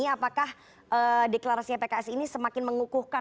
apakah deklarasinya pks ini semakin mengukuhkan